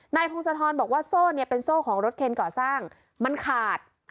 พงศธรบอกว่าโซ่เนี่ยเป็นโซ่ของรถเคนก่อสร้างมันขาด